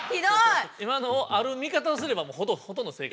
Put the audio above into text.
今のをある見方をすればもうほとんど正解。